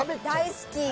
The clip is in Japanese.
大好き。